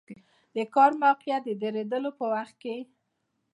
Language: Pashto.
د کار د موقت دریدلو په وخت کې.